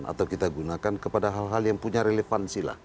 atau kita gunakan kepada hal hal yang punya relevansi lah